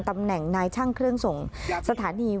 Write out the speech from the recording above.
ตำแหน่งนายช่างเครื่องส่งสถานี